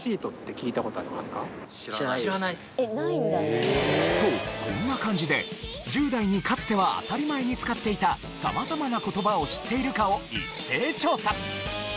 例えば。とこんな感じで１０代にかつては当たり前に使っていた様々な言葉を知っているかを一斉調査。